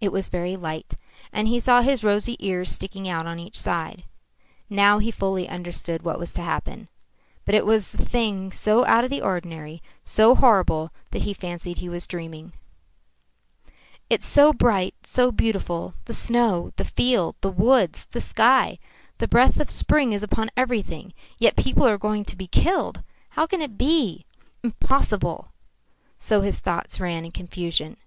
It was very light. And he saw his rosy ears sticking out on each side. Now he fully understood what was to happen. But it was a thing so out of the ordinary, so horrible, that he fancied he was dreaming. "It's so bright, so beautiful the snow, the field, the woods, the sky. The breath of spring is upon everything. Yet people are going to be killed. How can it be? Impossible!" So his thoughts ran in confusion.